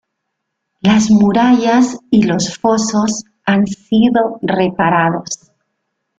Las murallas y los fosos han sido reparados.